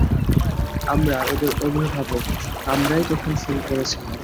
আমরা ওদের অভিভাবক, আমরাই তখন ফোন করেছিলাম।